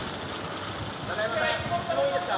永山さん、質問いいですか？